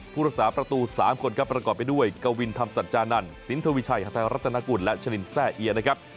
ผู้รักษาประตู๓คนครับประกอบไปด้วยกวินธรรมสัจจานันสินทวิชัยหาไทยรัฐนากุลและชลินแซ่เอียนะครับ